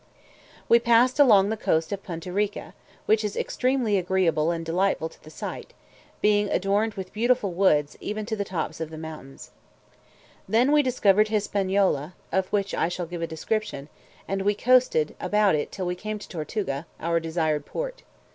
We passed along the coast of Punta Rica, which is extremely agreeable and delightful to the sight, being adorned with beautiful woods, even to the tops of the mountains. Then we discovered Hispaniola (of which I shall give a description), and we coasted about it till we came to Tortuga, our desired port.